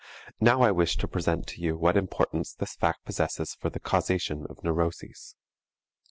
Now I wish to present to you what importance this fact possesses for the causation of neuroses.